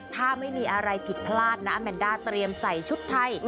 ถ้าไม่มีอะไรผิดพลาดนะแมนด้าเตรียมใส่ชุดไทย